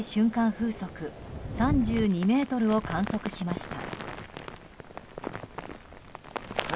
風速３２メートルを観測しました。